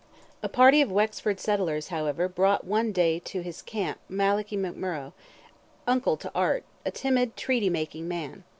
A party of Wexford settlers, however, brought one day to his camp Malachy McMurrogh, uncle to Art, a timid, treaty making man.